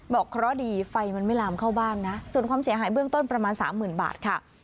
เคราะห์ดีไฟมันไม่ลามเข้าบ้านนะส่วนความเสียหายเบื้องต้นประมาณสามหมื่นบาทค่ะ